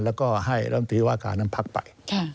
แล้วก็ให้รำตีว่าการน้ำพักไป